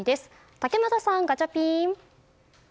竹俣さん、ガチャピン。